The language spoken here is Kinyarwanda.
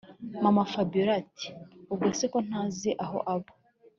mama-fabiora ati”ubwo se ko ntazi aho aba